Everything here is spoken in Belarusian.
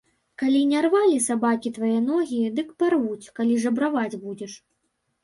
Калі не рвалі сабакі твае ногі, дык парвуць, калі жабраваць будзеш.